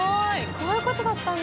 こういうことだったんだ。